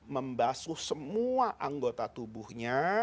membasuh semua anggota tubuhnya